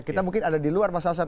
kita mungkin ada di luar masyarakat